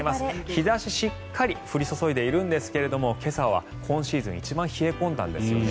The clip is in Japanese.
日差ししっかり降り注いでいるんですが今朝は今シーズン一番冷え込んだんですよね。